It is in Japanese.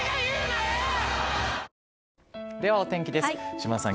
島田さん